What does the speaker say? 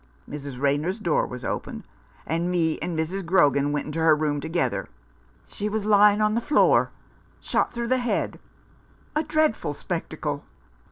Mrs. Rayner's door was open, and me and Mrs. Grogan went into her room together. She was lying on the floor, shot through the head, a dreadful spectacle."